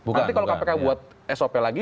nanti kalau kpk buat sop lagi